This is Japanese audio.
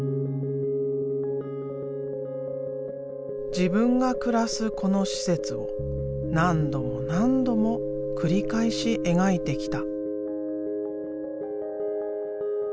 自分が暮らすこの施設を何度も何度も繰り返し描いてきた。